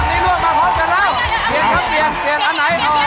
หวน